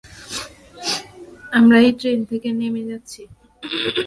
আমরা এই ট্রেন থেকে নেমে যাচ্ছি।